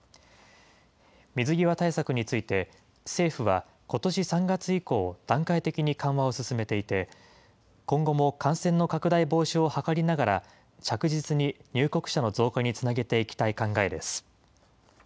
水際対策について、政府はことし３月以降、段階的に緩和を進めていて、今後も感染の拡大防止を図りながら、着実に入国者の増加につなげていきたい考えです。